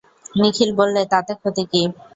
নিখিল বললে, তাতে ক্ষতি কী?